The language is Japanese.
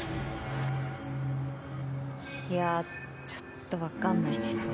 いやちょっと分かんないですね。